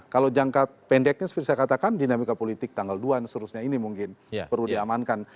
kalau jangka pendeknya seperti saya katakan dinamika politik tanggal dua dan seterusnya ini mungkin perlu diamankan